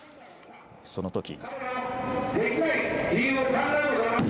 そのとき。